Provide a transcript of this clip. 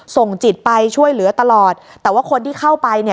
ส่งจิตไปช่วยเหลือตลอดแต่ว่าคนที่เข้าไปเนี่ย